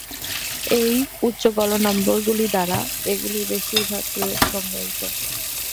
এই উচ্চ গলনম্বরকগুলি দ্বারা এগুলির বেশিরভাগ প্রয়োগ সংজ্ঞায়িত।